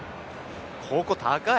ここ、高い！